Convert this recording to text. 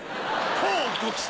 乞うご期待。